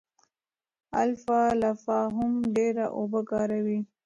الفالفا هم ډېره اوبه کاروي.